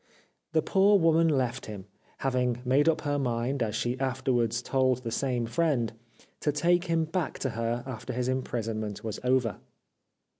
The poor woman left him, having made up her mind, as she afterwards told the same friend, to take him back to her after his imprisonment was over.